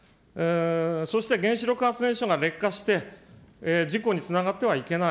そして原子力発電所が劣化して、事故につながってはいけない。